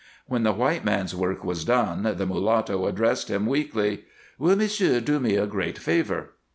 When the white man's work was done, the mulatto addressed him weakly: "Will m'sieu' do me a great favor?"